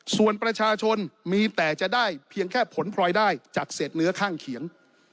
ส่วนประชาชนมีแต่จะได้เพียงแค่ผลพลอยได้จากเศษเนื้อข้างเคียง